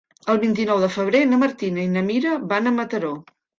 El vint-i-nou de febrer na Martina i na Mira van a Mataró.